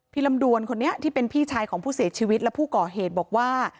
ลำดวนคนนี้ที่เป็นพี่ชายของผู้เสียชีวิตและผู้ก่อเหตุบอกว่า